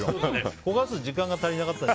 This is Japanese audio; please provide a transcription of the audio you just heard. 焦がす時間が足りなかった。